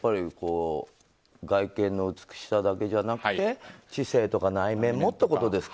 外見の美しさだけじゃなくて知性とか内面もということですか。